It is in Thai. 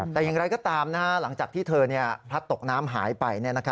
แต่อย่างไรก็ตามหลังจากที่เธอพลัดตกน้ำหายไป